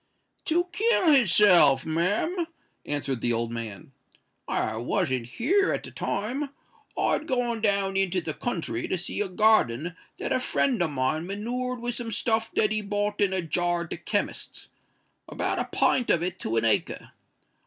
"To kill his self, ma'am," answered the old man. "I wasn't here at the time: I'd gone down into the country to see a garden that a friend o' mine manured with some stuff that he bought in a jar at the chemist's—about a pint of it to a acre.